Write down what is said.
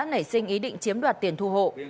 tâm đã nảy sinh ý định chiếm đoạt tiền thu hộ